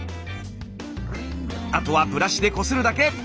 あとはブラシでこするだけ。